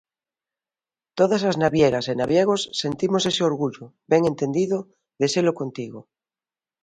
Todas as naviegas e naviegos sentimos ese orgullo, ben entendido, de selo contigo.